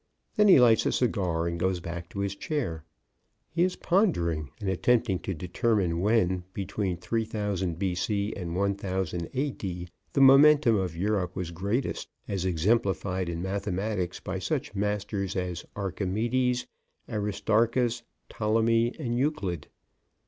Then he lights a cigar and goes back to his chair. He is pondering and attempting to determine when, between 3000 B.C. and 1000 A.D. the momentum of Europe was greatest, as exemplified in mathematics by such masters as Archimedes, Aristarchus, Ptolemy and Euclid.